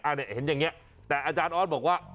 อันนี้เห็นอย่างนี้แต่อาจารย์ออสบอกว่า